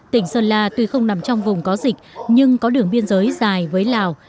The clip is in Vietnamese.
tỉnh sơn la tuy không nằm trong vùng có dịch nhưng có đường biên giới dài với lào